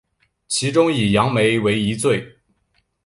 其中以杨梅为一最。